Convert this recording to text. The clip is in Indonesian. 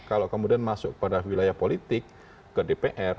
kalau kemudian masuk pada wilayah politik ke dpr